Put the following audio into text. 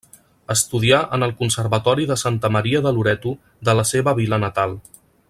Estudià en el Conservatori de Santa Maria de Loreto de la seva vila natal.